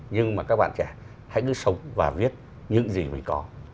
nhưng mà các bạn trẻ hãy cứ sống và viết những gì mình có